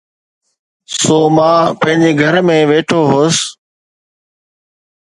سو مان پنهنجي گهر ۾ ويٺو هوس.